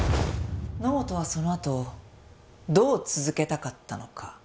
野本はそのあとどう続けたかったのか。